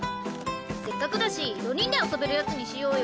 せっかくだし４人で遊べるヤツにしようよ。